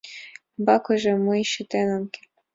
«Умбакыже мый чытен ом керт».